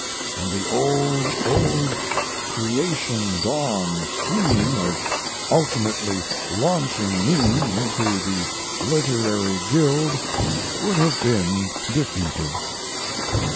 And the old, old creation dawn scheme of ultimately launching me into the literary guild would have been defeated.